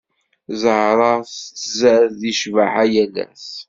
Zahra tettzad di cbaḥa yal ass.